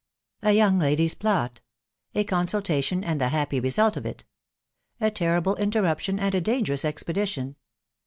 A YOUNG LADY'S PLOT. A CONSULTATION, AND THE HAPPY RESULT Off IT. —A TERRIBLE INTERRUPTION, AND A DANGEROUS EXPEDITION.